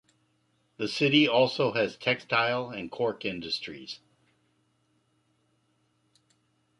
The city also has textile and cork industries.